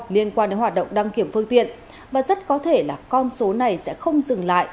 liên quan đến hoạt động đăng kiểm phương tiện và rất có thể là con số này sẽ không dừng lại